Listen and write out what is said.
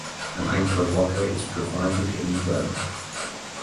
An anchor locker is provided in the bow.